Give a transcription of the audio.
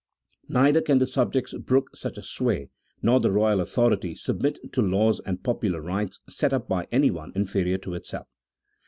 Neither can the subjects brook such a sway, nor the royal authority submit to laws and popular rights set up by anyone inferior to itself.